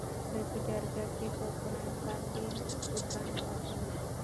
دوی په جرګه کې پر قرآن باندې سوګند وکړ.